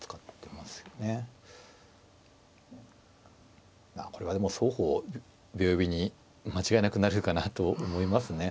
まあこれはでも双方秒読みに間違いなくなるかなと思いますね。